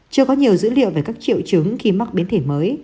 chưa có nhiều dữ liệu về các triệu chứng khi mắc biến thể mới